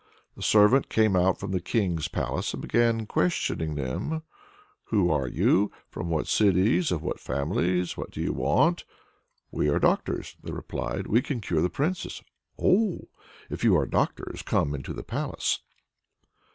The servant came out from the King's palace, and began questioning them: "Who are you? from what cities, of what families? what do you want?" "We are doctors," they replied; "we can cure the Princess!" "Oh! if you are doctors, come into the palace."